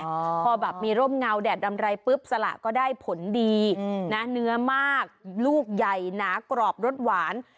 พอแบบมีร่มเงาแดดดำไรปุ๊บสละก็ได้ผลดีนะเนื้อมากลูกใหญ่หนากรอบรสหวาน